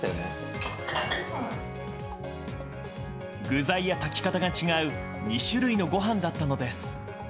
具材や炊き方が違う２種類のご飯だったのです。